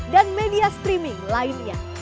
dan media streaming lainnya